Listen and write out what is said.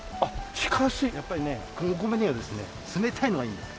やっぱりねお米にはですね冷たいのがいいんです。